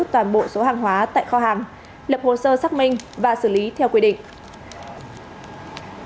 toàn bộ số hàng hóa tại kho hàng lập hồ sơ xác minh và xử lý theo quy định